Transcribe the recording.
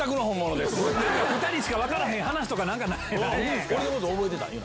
２人しか分からへん話とか何かないんですか？